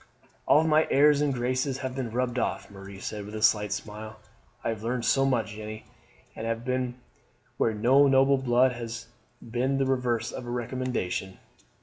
"All my airs and graces have been rubbed off," Marie said with a slight smile. "I have learned so much, Jeanne, and have been where noble blood has been the reverse of a recommendation.